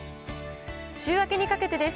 週明けにかけてです。